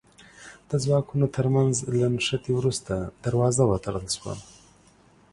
د ځواکونو تر منځ له نښتې وروسته دروازه وتړل شوه.